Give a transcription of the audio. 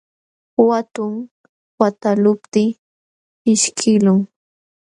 Watum wataqluptii ishkiqlun.